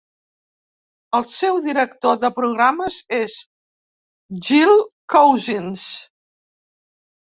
El seu director de programes és Jill Cousins.